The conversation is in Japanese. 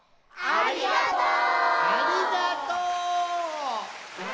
ありがとう！